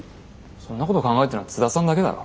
そんなこと考えてるのは津田さんだけだろ。